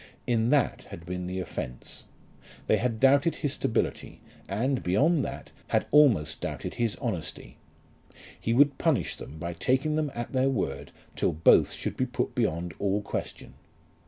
In that had been the offence. They had doubted his stability, and, beyond that, had almost doubted his honesty. He would punish them by taking them at their word till both should be put beyond all question.